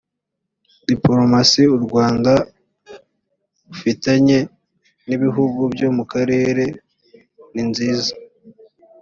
dipolomasi u rwanda rufitanye n’ ibihugu byo mu karere ninziza.